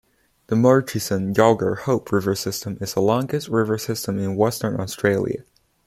The Murchison-Yalgar-Hope river system is the longest river system in Western Australia.